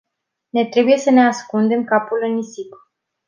Nu trebuie să ne ascundem capul în nisip.